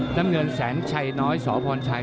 น้ำเงินแสนชัยน้อยสพชัย